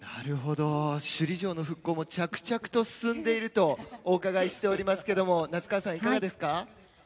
首里城の復興も着々と進んでいるとお伺いしておりますが夏川さん、いかがですか？